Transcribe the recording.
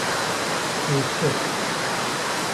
She is sick.